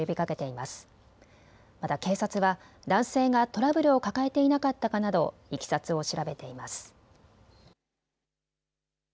また警察は男性がトラブルを抱えていなかったかなどいきさつを調べています。